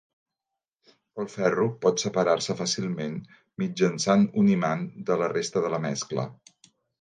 El ferro pot separar-se fàcilment mitjançant un imant de la resta de la mescla.